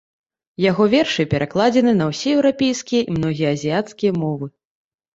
Яго вершы перакладзены на ўсе еўрапейскія і многія азіяцкія мовы.